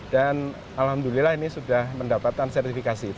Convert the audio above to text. dan alhamdulillah ini sudah mendapatkan sertifikasi itu